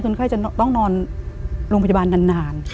ไข้จะต้องนอนโรงพยาบาลนาน